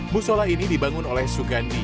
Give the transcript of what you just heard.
musola ini dibangun oleh sugandi